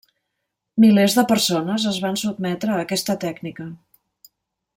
Milers de persones es van sotmetre a aquesta tècnica.